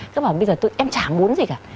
cứ bảo bây giờ em chả muốn gì cả